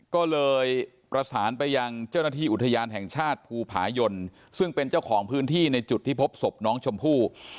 ก็เลยประสานไปยังเจ้าหน้าที่อุทยานแห่งชาติภูผายนซึ่งเป็นเจ้าของพื้นที่ในจุดที่พบศพน้องชมพู่